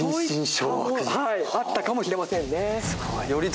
はいあったかもしれませんね。